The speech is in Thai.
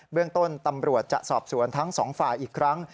เรื่องต้นตำรวจจะสอบสวนทั้งสองฝ่ายอีกครั้ง